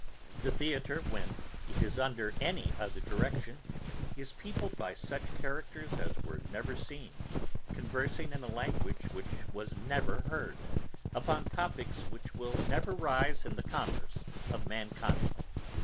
The theatre, when it is under any other direction, is peopled by such characters as were never seen, conversing in a language which was never heard, upon topicks which will never rise in the commerce of mankind.